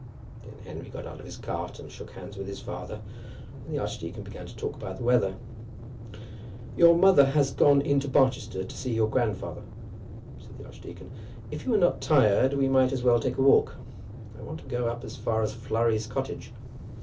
Then Henry got out of his cart and shook hands with his father, and the archdeacon began to talk about the weather. "Your mother has gone into Barchester to see your grandfather," said the archdeacon. "If you are not tired, we might as well take a walk. I want to go up as far as Flurry's cottage."